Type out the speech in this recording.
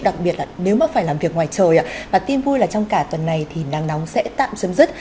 đặc biệt là nếu mà phải làm việc ngoài trời và tin vui là trong cả tuần này thì nắng nóng sẽ tạm chấm dứt